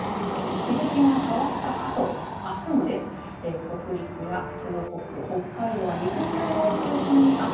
日付が変わったあと、あすもです